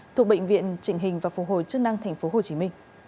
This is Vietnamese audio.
thuộc bệnh viện trịnh hình và phục hồi chức năng tp hcm